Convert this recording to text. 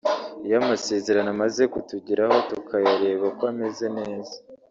Iyo amasezerano amaze kutugeraho tukayareba ko ameze neza